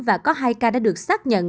và có hai ca đã được xác nhận